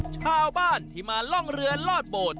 ชาวบ้านที่มาล่องเรือลอดโบสถ